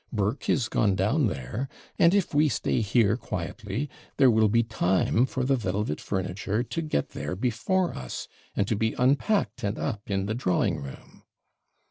Burke is gone down there; and if we stay here quietly, there will be time for the velvet furniture to get there before us, and to be unpacked, and up in the drawing room.'